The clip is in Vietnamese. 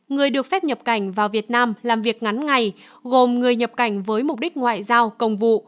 người được phép nhập cảnh vào việt nam làm việc ngắn ngày gồm người nhập cảnh với mục đích ngoại giao công vụ